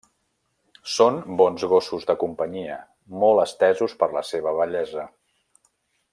Són bons gossos de companyia, molt estesos per la seva bellesa.